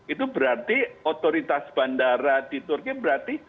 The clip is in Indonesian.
itu berarti otoritas bandara di turki berarti